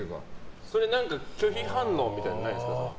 それ、拒否反応みたいなのはないんですか？